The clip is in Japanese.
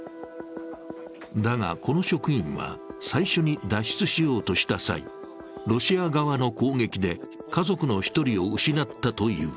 だがこの職員は、最初に脱出しようとした際、ロシア側の攻撃で、家族の１人を失ったという。